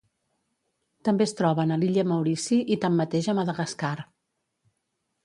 També es troben a l'illa Maurici i tanmateix a Madagascar.